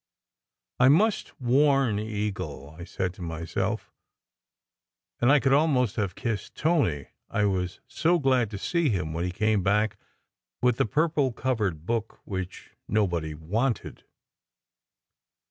"I must warn Eagle," I said to myself; and I could almost have kissed Tony, I was so glad to see him when he came back with the purple covered book which nobody wanted.